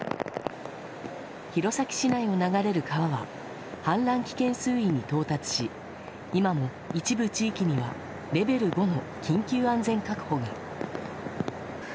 弘前市内を流れる川は氾濫危険水位に到達し今も一部地域にはレベル５の緊急安全確保が。